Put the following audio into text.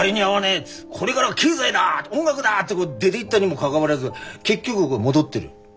これがらは経済だ音楽だって出ていったにもかかわらず結局戻ってる。